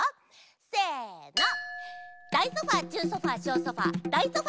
せの。